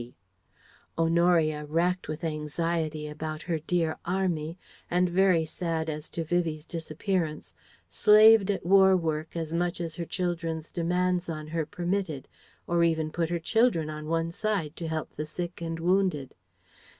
C. Honoria, racked with anxiety about her dear "Army," and very sad as to Vivie's disappearance, slaved at War work as much as her children's demands on her permitted; or even put her children on one side to help the sick and wounded.